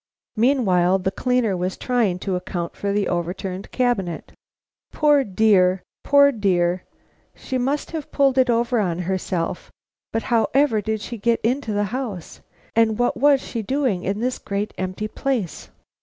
Meanwhile the cleaner was trying to account for the overturned cabinet. "Poor dear! poor dear! she must have pulled it over on herself! But however did she get into the house? And what was she doing in this great empty place?"